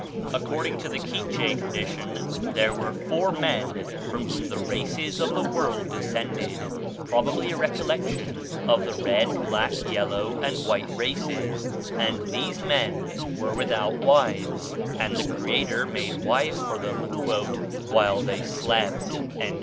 According to the Quiche tradition, there were four men from whom the races of the world descended (probably a recollection of the red, black, yellow, and white races); and these men were without wives, and the Creator made wives for them "while they slept."